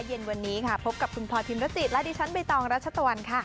เย็นวันนี้ค่ะพบกับคุณพลอยพิมรจิตและดิฉันใบตองรัชตะวันค่ะ